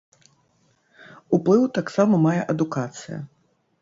Уплыў таксама мае адукацыя.